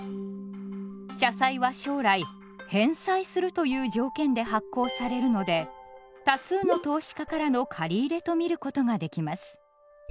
社債は将来返済するという条件で発行されるので多数の投資家からの借り入れと見ることができます。